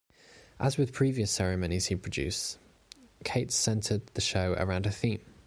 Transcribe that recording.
As with previous ceremonies he produced, Cates centered the show around a theme.